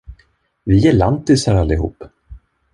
Vi är lantisar, allihop.